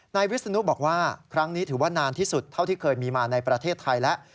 นายวิศนุบอกว่าครั้งนี้ถือว่านานที่สุดเท่าที่เคยมีมาในประเทศไทยแล้ว